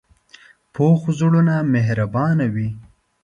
پوخ زړونه مهربانه وي